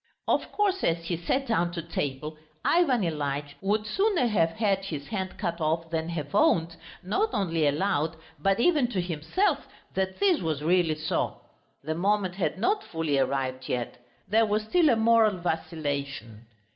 Of course as he sat down to table, Ivan Ilyitch would sooner have had his hand cut off than have owned, not only aloud, but even to himself, that this was really so. The moment had not fully arrived yet. There was still a moral vacillation.